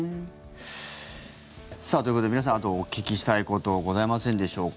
ということで皆さんあとお聞きしたいことございませんでしょうか？